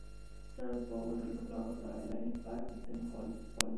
Más tarde Powell realizó trabajos para Elaine Paige y The Hollies.